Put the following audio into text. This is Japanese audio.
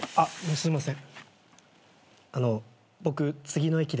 すいません。